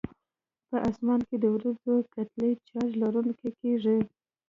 په اسمان کې د وریځو کتلې چارج لرونکي کیږي.